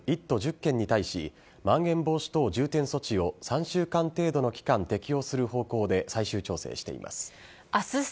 １都１０県に対し、まん延防止等重点措置を３週間程度の期間、適用する方向で最終調整しています。